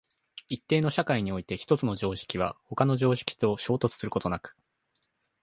一定の社会において一つの常識は他の常識と衝突することなく、